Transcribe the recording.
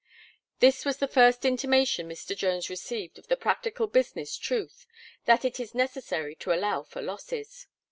This was the first intimation Mr. Jones received of the practical business truth, that it is necessary to allow for losses.